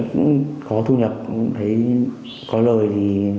cũng có thu nhập cũng thấy có lời thì